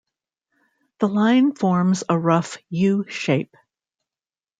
The line forms a rough U-shape.